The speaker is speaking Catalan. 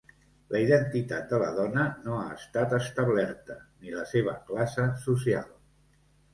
La identitat de la dona no ha estat establerta, ni la seva classe social.